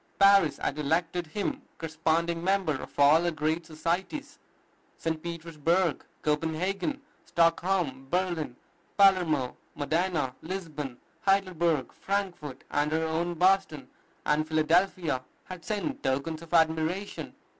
Paris had elected him corresponding member of all her great societies. St. Petersburg, Copenhagen, Stockholm, Berlin, Palermo, Modena, Lisbon, Heidelberg, Frankfort, and our own Boston and Philadelphia had sent tokens of admiration.